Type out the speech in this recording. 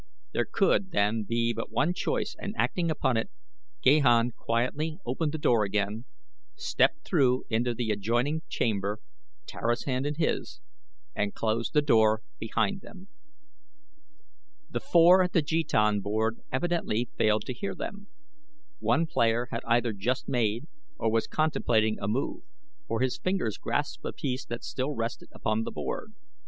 There could, then, be but one choice and acting upon it Gahan quietly opened the door again, stepped through into the adjoining chamber, Tara's hand in his, and closed the door behind them. The four at the jetan board evidently failed to hear them. One player had either just made or was contemplating a move, for his fingers grasped a piece that still rested upon the board.